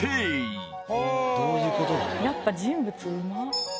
やっぱ人物うまっ。